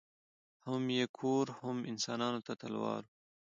هم یې کور هم انسانانو ته تلوار وو